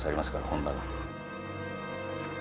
本田が。